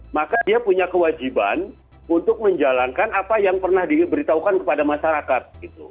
maka dia punya kewajiban untuk menjalankan apa yang pernah diberitahukan kepada masyarakat